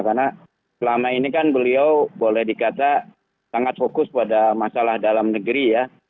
karena selama ini kan beliau boleh dikata sangat fokus pada masalah dalam negeri ya